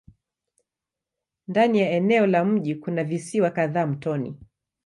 Ndani ya eneo la mji kuna visiwa kadhaa mtoni.